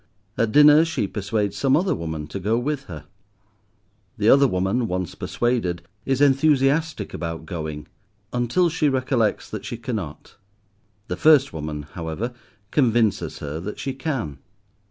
At dinner she persuades some other woman to go with her; the other woman, once persuaded, is enthusiastic about going, until she recollects that she cannot. The first woman, however, convinces her that she can.